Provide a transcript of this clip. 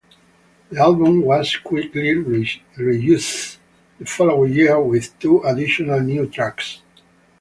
The album was quickly reissued the following year with two additional new tracks.